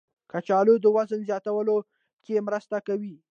کچالو د وزن زیاتولو کې مرسته کوي.